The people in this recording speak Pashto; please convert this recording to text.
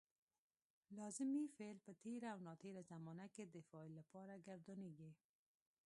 لازمي فعل په تېره او ناتېره زمانه کې د فاعل لپاره ګردانیږي.